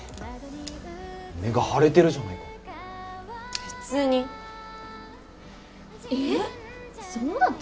目が腫れてるじゃないか別にえっ！？